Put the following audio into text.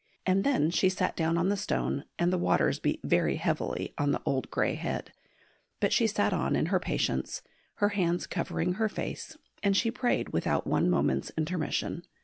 And then she sat down on the stone, and the waters beat very heavily on the old grey head; but she sat on in her patience, her hands covering her face, and she prayed without one moment's intermission.